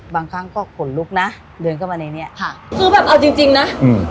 บางครั้งก็ขนลุกนะเดินเข้ามาในเนี้ยค่ะคือแบบเอาจริงจริงนะอืม